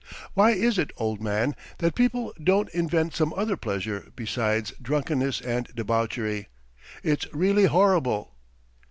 Why is it, old man, that people don't invent some other pleasure besides drunkenness and debauchery? It's really horrible!"